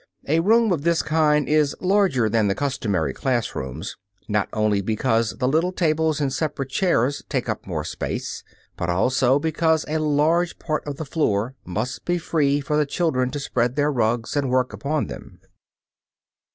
A room of this kind is larger than the customary class rooms, not only because the little tables and separate chairs take up more space, but also because a large part of the floor must be free for the children to spread their rugs and work upon them.